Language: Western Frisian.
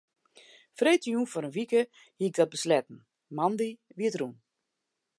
Freedtejûn foar in wike hie ik dat besletten, moandei wie it rûn.